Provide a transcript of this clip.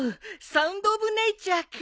サウンドオブネイチャーか。